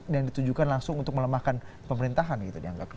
dan ditujukan langsung untuk melemahkan pemerintahan gitu dianggapnya